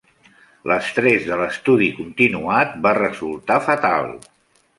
L'estrès de l'estudi continuat va resultar fatal.